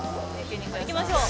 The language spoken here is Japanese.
行きましょう。